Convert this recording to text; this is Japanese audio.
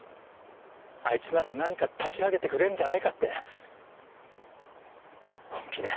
あいつなら何か立ち上げてくれるんじゃないかって本気で。